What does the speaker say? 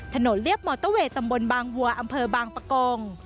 เรียบมอเตอร์เวย์ตำบลบางวัวอำเภอบางปะโกง